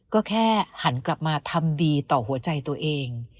ก็แค่หันกลับมาทำดีต่อหัวใจตัวเอง